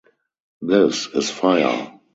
This is fire.